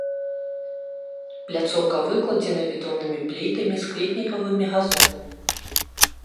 Пляцоўка выкладзена бетоннымі плітамі з кветнікавымі газонамі.